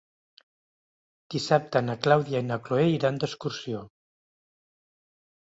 Dissabte na Clàudia i na Cloè iran d'excursió.